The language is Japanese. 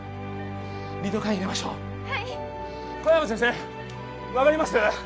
リドカイン入れましょうはい小山先生分かります？